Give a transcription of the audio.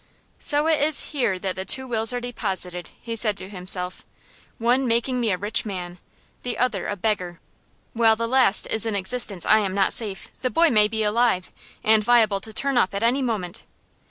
"So it is here that the two wills are deposited!" he said to himself; "one making me a rich man, the other a beggar! While the last is in existence I am not safe. The boy may be alive, and liable to turn up at any moment.